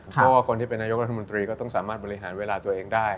เพราะว่าคนที่เป็นนายกรัฐมนตรีก็ต้องสามารถบริหารเวลาตัวเองได้